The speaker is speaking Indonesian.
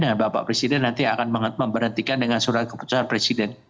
ya bapak presiden nanti akan memberhentikan dengan surat keputusan presiden